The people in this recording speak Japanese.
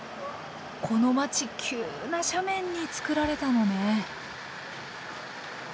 この街急な斜面に造られたのね。